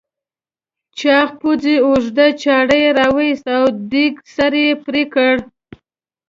چاغ پوځي اوږده چاړه راوایسته او دېگ سر یې پرې کړ.